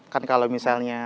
kan kalau misalnya